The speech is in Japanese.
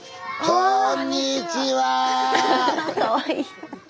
こんにちは。